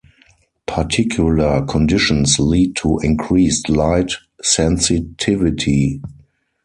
Particular conditions lead to increased light sensitivity.